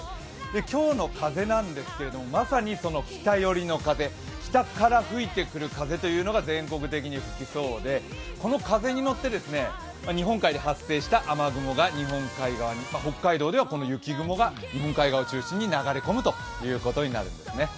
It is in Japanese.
今日の風なんですけれども、まさに北寄りの風、きたから吹いてくる風が全国的に吹きそうでこの風に乗って、日本海で発生した雨雲が日本海側に、北海道では雪雲が日本海側を中心に流れ込むということですね。